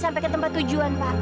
sampai ke tempat tujuan pak